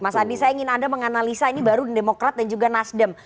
mas andi saya ingin anda menganalisa ini baru demokrat dan juga nasdem